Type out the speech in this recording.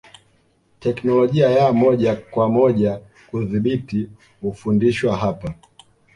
Teknolojia ya moja kwa moja kudhibiti hufundishwa hapa